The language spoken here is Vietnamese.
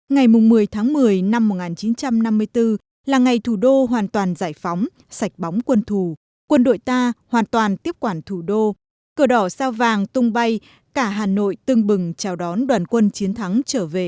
ngày một mươi tháng một mươi năm một nghìn chín trăm năm mươi bốn là ngày thủ đô hoàn toàn giải phóng sạch bóng quân thù quân đội ta hoàn toàn tiếp quản thủ đô cửa đỏ sao vàng tung bay cả hà nội tưng bừng chào đón đoàn quân chiến thắng trở về